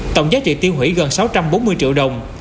tổng giá trị tiêu hủy gần sáu trăm bốn mươi triệu đồng